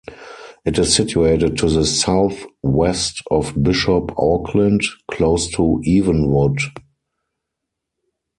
It is situated to the south west of Bishop Auckland, close to Evenwood.